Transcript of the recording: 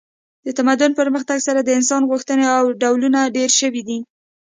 د تمدن پرمختګ سره د انسان غوښتنې او ډولونه ډیر شوي دي